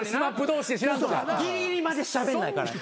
ギリギリまでしゃべんないからね。